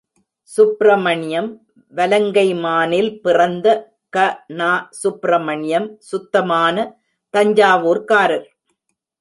சுப்ரமணியம் வலங்கைமானில் பிறந்த க.நா.சுப்ரமணியம் சுத்தமான தஞ்சாவூர்காரர்.